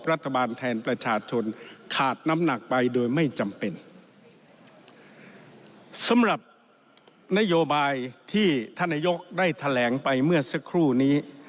รัฐบาลแทนประชาชนขาดน้ำหนักไปโดยไม่จำเป็นสำหรับนโยบายที่ท่านนายกได้แถลงไปเมื่อสักครู่นี้